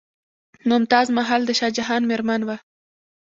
ممتاز محل د شاه جهان میرمن وه.